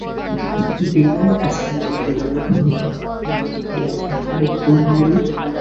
বিনয় কাছে আসিতেই ললিতা কহিল, আপনার বোধ হয় রাত্রে ভালো ঘুম হয় নি?